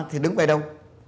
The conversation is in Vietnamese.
thì đứng về đâu